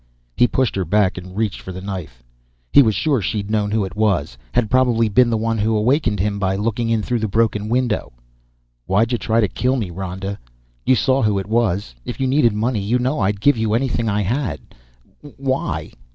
He pushed her back and reached for the knife. He was sure she'd known who it was had probably been the one who awakened him by looking in through the broken window. "Why'd you try to kill me, Ronda? You saw who it was. If you needed money, you know I'd give you anything I had. Why?"